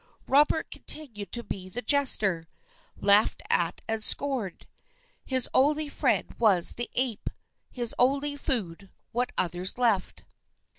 Robert continued to be the jester, laughed at and scorned. His only friend was the ape. His only food, what others left.